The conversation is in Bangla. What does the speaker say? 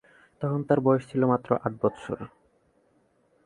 তখন তার বয়স ছিল মাত্র আট বৎসর।